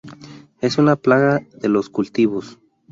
Es una plaga de los cultivos.